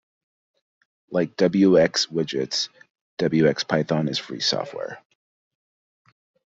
Like wxWidgets, wxPython is free software.